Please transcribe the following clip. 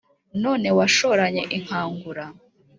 none washoranye inkangura